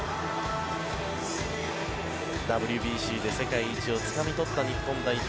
ＷＢＣで世界一をつかみ取った日本代表。